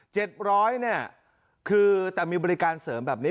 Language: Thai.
ร้อยเนี่ยคือแต่มีบริการเสริมแบบนี้